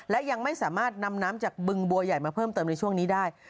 และยังไม่สามารถนำน้ำจากบึงบัวใหญ่มาเพิ่มเติมในช่วงนี้ได้